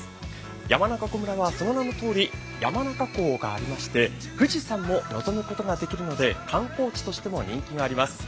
山中湖村はその名のとおり山中湖がありまして富士山も望むことができるので、観光地としても人気があります。